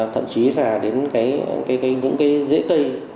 thậm chí là đến những cái dễ cây